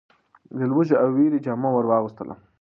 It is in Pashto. د لوږې او وېري جامه ور واغوستله .